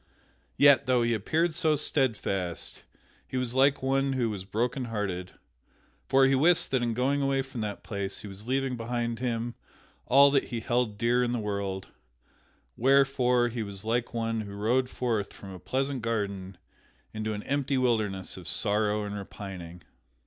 Yet, though he appeared so steadfast, he was like one who was brokenhearted, for he wist that in going away from that place he was leaving behind him all that he held dear in the world, wherefore he was like one who rode forth from a pleasant garden into an empty wilderness of sorrow and repining.